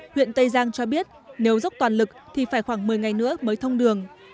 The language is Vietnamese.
huyện tây giang cho biết nếu dốc toàn lực thì phải khoảng một mươi ngày nữa mới thông đường